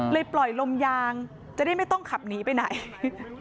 ปล่อยลมยางจะได้ไม่ต้องขับหนีไปไหน